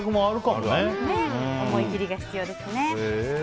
思い切りが必要ですね。